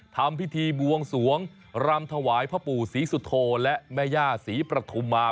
ทำพิธีบวงสวงรำถวายพ่อปู่ศรีสุโธและแม่ย่าศรีประธุมา